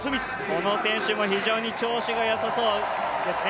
この選手も非常に調子がよさそうですね。